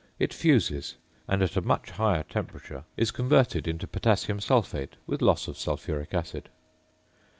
It fuses; and at a much higher temperature is converted into potassium sulphate with loss of sulphuric acid.